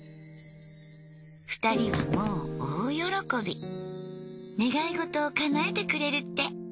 ２人はもう大喜び願い事を叶えてくれるって。